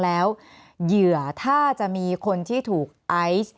แอนตาซินเยลโรคกระเพาะอาหารท้องอืดจุกเสียดแสบร้อน